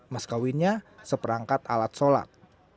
mas kawinnya seperangkat alat sholat